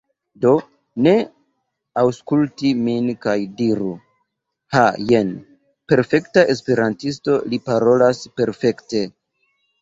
Do, ne aŭskulti min kaj diru, "Ha jen perfekta Esperantisto, li parolas perfekte!"